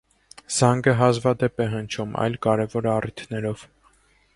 Զանգը հազվադեպ է հնչում այլ կարևոր առիթներով։